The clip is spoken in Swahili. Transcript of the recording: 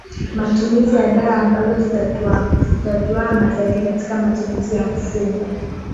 matumizi ya dawa ambazo zinatuama zaidi katika matumizi ya mfumo